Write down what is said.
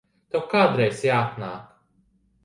Tev kādreiz jāatnāk.